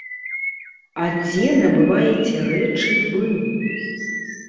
А дзе набываеце рэчы вы?